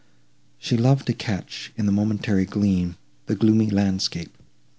She loved to catch, in the momentary gleam, the gloomy landscape.